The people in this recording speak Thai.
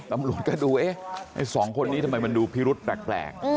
ตำรวจก็ดูเอ๊ะไอ้สองคนนี้ทำไมมันดูพิรุษแปลก